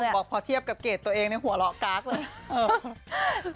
บอกพอเทียบกับเกรดตัวเองในหัวเราะก๊ากเลย